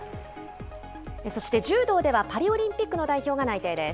そして柔道ではパリオリンピックの代表が内定です。